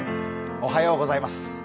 おはようございます。